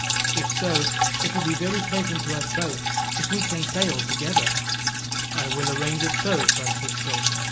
If so, it would be very pleasant to us both if we can sail together." "I will arrange it so, Francisco.